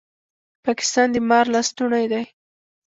پاکستان د مار لستوڼی دی